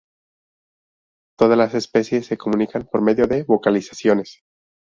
Todas las especies se comunican por medio de vocalizaciones.